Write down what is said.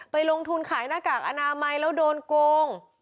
ลงทุนขายหน้ากากอนามัยแล้วโดนโกง